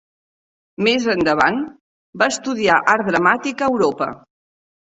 Més endavant va estudiar art dramàtic a Europa.